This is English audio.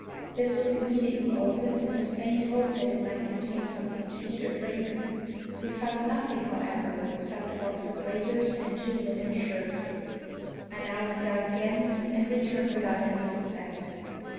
This was immediately opened in the faint hope that it might contain something to eat or drink. We found nothing, however, except a box of razors and two linen shirts. I now went down again, and returned without any success.